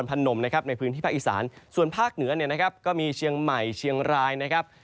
นมนะครับในพื้นที่ภาคอีสานส่วนภาคเหนือเนี่ยนะครับก็มีเชียงใหม่เชียงรายนะครับ